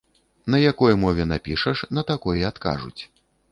На якой мове напішаш, на такой і адкажуць.